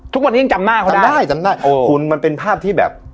ทุกวันนี้ยังจำหน้าเขาจำได้จำได้โอ้คุณมันเป็นภาพที่แบบ